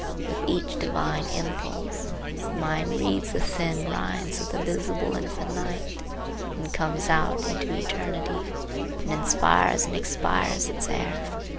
With each divine impulse the mind rends the thin rinds of the visible and finite, and comes out into eternity, and inspires and expires its air.